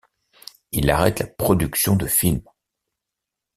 Il arrête la production de films.